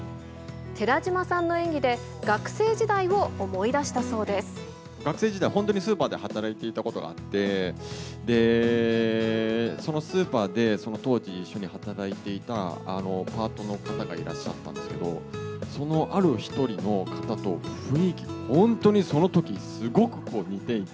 寺島さんの演技で、学生時代を思学生時代、本当にスーパーで働いていたことがあって、で、そのスーパーで、その当時、一緒に働いていたパートの方がいらっしゃったんですけど、そのある一人の方と、雰囲気、本当にそのとき、すごく似ていて、